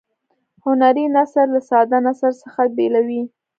هنري نثر له ساده نثر څخه بیلوي.